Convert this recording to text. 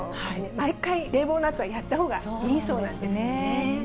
毎回冷房のあとはやったほうがいいそうなんですよね。